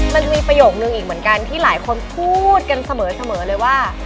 มันมีประโยคนึงอีกเหมือนกันที่หลายคนพูดกันเสมอเลยว่า